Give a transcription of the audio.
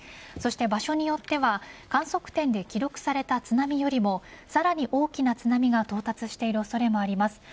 そして場所によっては観測点で記録された津波よりもさらに大きな津波が到達している恐れがあります。